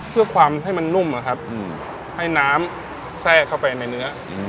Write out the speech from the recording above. เพื่อความให้มันนุ่มนะครับให้น้ำแทรกเข้าไปในเนื้อ